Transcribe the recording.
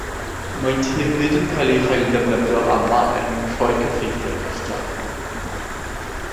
Maent hefyd yn cael eu hailddefnyddio'n aml er mwyn rhoi cyffeithiau cartref.